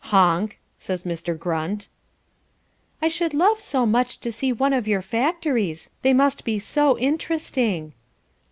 "Honk!" says Mr. Grunt. "I should love so much to see one of your factories. They must be so interesting."